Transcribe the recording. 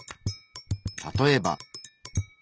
例えば。